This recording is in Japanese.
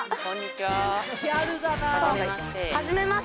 はじめまして。